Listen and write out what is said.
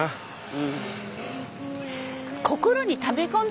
うん。